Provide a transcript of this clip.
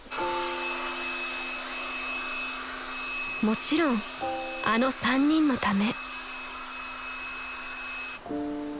［もちろんあの３人のため］